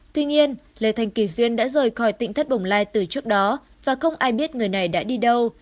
tuy nhiên lê thành kỳ duyên đã rời khỏi tỉnh thất bồng lai từ trước đó và không ai biết người này đã đi đâu